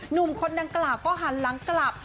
หนุ่มคนดังกล่าวก็หันหลังกลับ